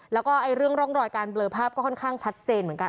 แล้วก็เรื่องร่องรอยการเบลอภาพก็ค่อนข้างชัดเจนเหมือนกัน